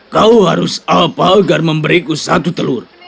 kau harus apa agar memberiku satu telur